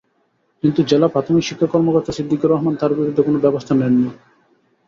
কিন্তু জেলা প্রাথমিক শিক্ষা কর্মকর্তা সিদ্দিকুর রহমান তাঁর বিরুদ্ধে কোনো ব্যবস্থা নেননি।